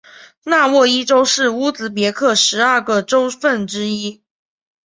纳沃伊州是乌兹别克十二个州份之一。